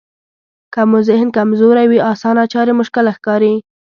که مو ذهن کمزوری وي اسانه چارې مشکله ښکاري.